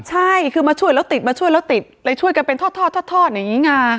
ใช่คือมาช่วยแล้วติดมาช่วยแล้วติดเลยช่วยกันเป็นทอดทอดอย่างนี้ไง